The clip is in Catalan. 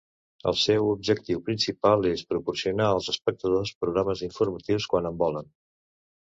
El seu objectiu principal és proporcionar als espectadors programes informatius quan en volen.